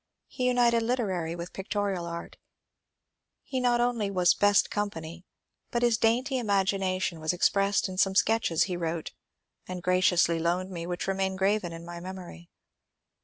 ^ He united literary with pictorial art ; he not only was best company, but his dainty imagination was expressed in some sketches he wrote and graciously loaned me which remain graven in my memory.